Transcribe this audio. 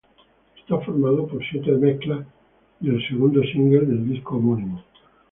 Está formado por siete remezclas del segundo single del disco homónimo.